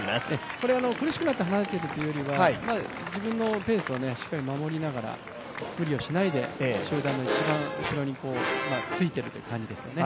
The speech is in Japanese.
これは苦しくなって離れているというよりは、自分のペースをしっかり守りながら無理をしないで集団の一番後ろについているという感じですよね。